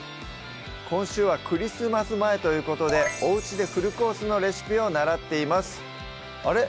今週はクリスマス前ということでおうちでフルコースのレシピを習っていますあれ？